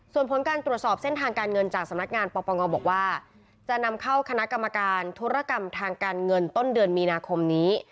ส่วนผลการตรวจสอบเส้นทางการเงินจากสำนักงานปปงบอกว่าจะนำเข้าคณะกรรมการธุรกรรมทางการเงินต้นเดือนมีนาคมนี้